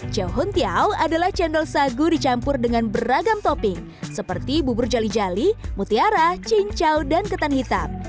ceo huntiao adalah cendol sagu dicampur dengan beragam topping seperti bubur jali jali mutiara cincau dan ketan hitam